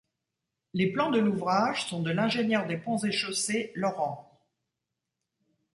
Les plans de l'ouvrage sont de l'ingénieur des ponts et chaussées Laurent.